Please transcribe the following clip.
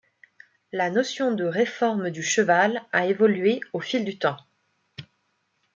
La notion de réforme du cheval a évolué au fil du temps.